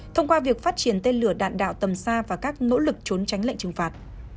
thông qua việc phát triển tên lửa đạn đạo tầm xa và các nỗ lực trốn tránh lệnh trừng phạt